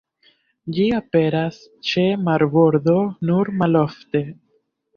Ĝi aperas ĉe marbordo nur malofte.